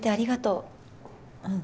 うん。